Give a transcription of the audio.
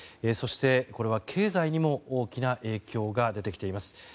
そして、これは経済にも大きな影響が出てきています。